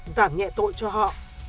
giảm nhẹ tội cho họ